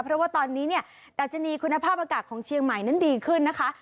เพราะว่าตอนนี้เนี่ยดัชนีคุณภาพอากาศของเชียงใหม่นั้นดีขึ้นนะคะ